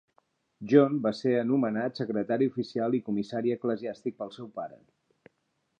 John va se anomenat secretari oficial i comissari eclesiàstic pel seu pare.